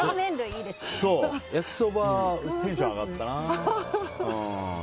焼きそばテンション上がったな。